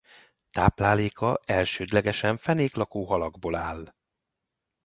Tápláléka elsődlegesen fenéklakó halakból áll.